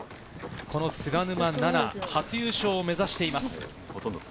この菅沼菜々、初優勝を目指しています。